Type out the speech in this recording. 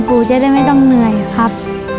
จะได้ไม่ต้องเหนื่อยครับ